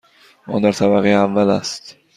آن در طبقه اول است.